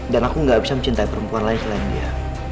dan aku gak bisa mencintai perempuan lain selain dia